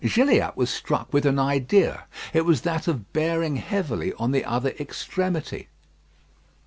Gilliatt was struck with an idea. It was that of bearing heavily on the other extremity.